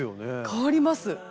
変わります。